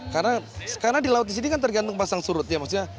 karena di laut disini kan tergantung pasang surut ya maksudnya